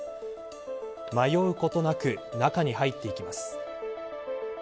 迷うことなく中に入っていきます。